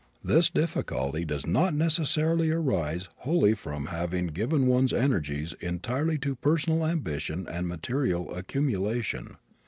This difficulty does not necessarily arise wholly from having given one's energies entirely to personal ambition and material accumulation.